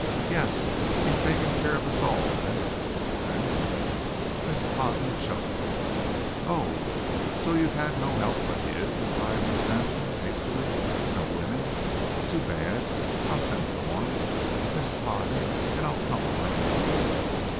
"Yes; he's taken care of us all since since " Mrs. Hoden choked. "Oh, so you've had no help but his," replied Miss Sampson hastily. "No women? Too bad! I'll send someone, Mrs. Hoden, and I'll come myself."